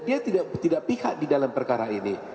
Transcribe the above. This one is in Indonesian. dia tidak pihak di dalam perkara ini